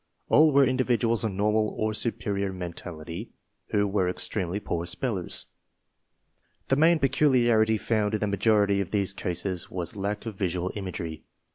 All were individuals of normal or superior mentality who were extremely poor spellers. The main peculiarity found in the majority of these cases was lack of visual imagery.